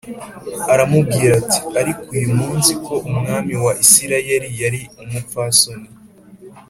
aramubwira ati “Ariko uyu munsi ko umwami wa Isirayeli yari umupfasoni